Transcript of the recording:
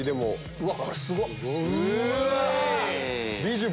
うわ！